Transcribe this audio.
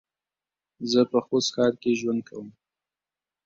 زه په خوست ښار کې ژوند کوم